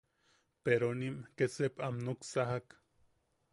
Peronim ke sep am nuksajak.